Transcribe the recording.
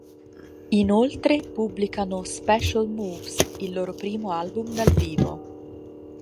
Inoltre pubblicano "Special Moves", il loro primo album dal vivo.